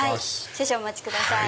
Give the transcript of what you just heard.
少々お待ちください。